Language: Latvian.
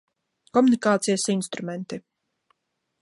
Komunikācijas instrumenti.